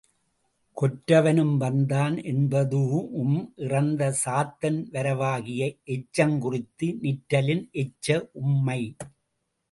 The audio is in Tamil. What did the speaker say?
கொற்றவனும் வந்தான் என்பதூஉம், இறந்த சாத்தன் வரவாகிய எச்சங்குறித்து நிற்றலின் எச்ச உம்மை.